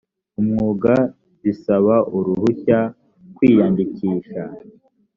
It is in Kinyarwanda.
umwuga bisaba uruhushya kwiyandikisha